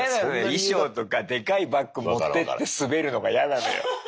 衣装とかでかいバッグ持ってってスベるのが嫌なのよ。